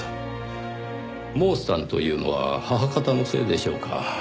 モースタンというのは母方の姓でしょうか。